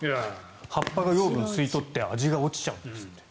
葉っぱが養分を吸い取って味が落ちちゃうんですって。